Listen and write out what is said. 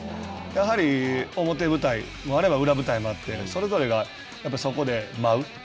やはり表舞台もあれば裏舞台もあってそれぞれがそこで舞う。